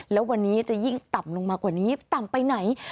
แล้ววันนี้จะยิ่งต่ำลงมากว่านี้ต่ำไปไหน